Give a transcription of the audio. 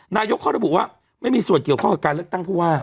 นายกเขาเรียกว่าไม่มีส่วนเกี่ยวข้อในการเลือกตั้งภูมิว่า